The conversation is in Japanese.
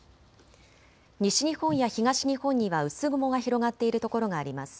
西日本や東日本には薄雲が広がっている所があります。